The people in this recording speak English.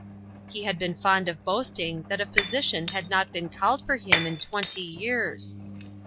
He had been fond of boasting that a physi cian had not been called for him in twenty years.